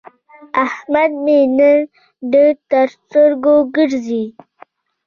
احمد مې نن ډېر تر سترګو ګرځي.